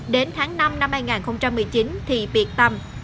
đến tháng năm năm hai nghìn một mươi chín thì biệt tâm